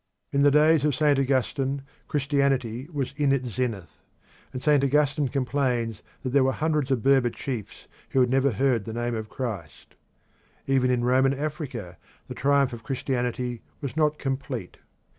In the days of St. Augustine Christianity was in its zenith, and St. Augustine complains that there were hundreds of Berber chiefs who had never heard the name of Christ. Even in Roman Africa the triumph of Christianity was not complete.